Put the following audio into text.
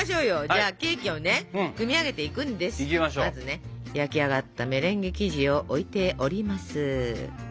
じゃあケーキを組み上げていくんですけどまずね焼き上がったメレンゲ生地を置いております。